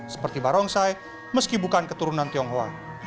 seperti barongsai meski bukan keturunan tionghoa